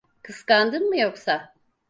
Kıskandın mı yoksa?